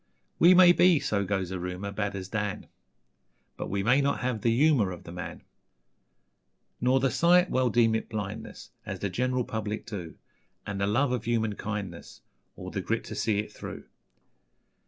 ..... We may be so goes a rumour Bad as Dan; But we may not have the humour Of the man; Nor the sight well, deem it blindness, As the general public do And the love of human kindness, Or the GRIT to see it through!